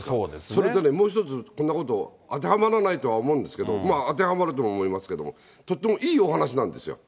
それともう一つ、こんなこと当てはまらないとは思うんですけど、当てはまると思いますけれども、とってもいいお話なんですよ。